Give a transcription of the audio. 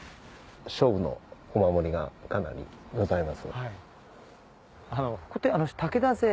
勝負のお守りがかなりございます。